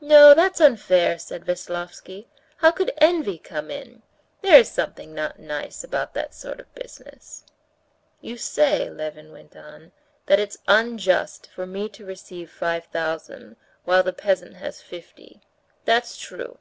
"No, that's unfair," said Veslovsky; "how could envy come in? There is something not nice about that sort of business." "You say," Levin went on, "that it's unjust for me to receive five thousand, while the peasant has fifty; that's true.